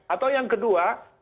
atau yang kedua